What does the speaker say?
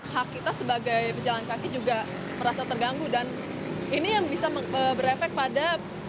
hak kita sebagai pejalan kaki juga merasa terganggu dan ini yang bisa berefek pada